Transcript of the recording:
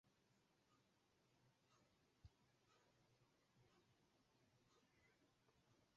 S"ha citat com el restaurant amb les millors vistes de Portland.